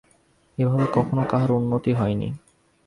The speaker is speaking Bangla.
এভাবে কখনও কাহারও উন্নতি হয় না।